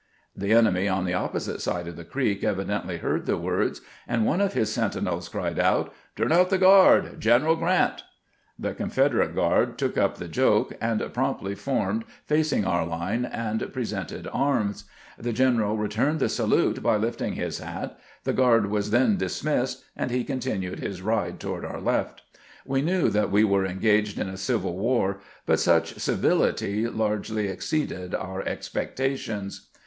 " The enemy on the opposite side of the creek evidently heard the words, and one of his sentinels cried out, " Turn out the guard — Q eneral G rant !" The confeder ate guard took up the joke, and promptly formed, fac ing our hne, and presented arms. The general returned .the salute by lifting his hat, the guard was then dis missed, and he continued his ride toward our left. "We knew that we were engaged in a civU war, but such civUity largely exceeded bur expectations.